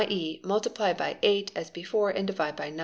multiply by 8 as before and divide by 9.